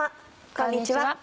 こんにちは。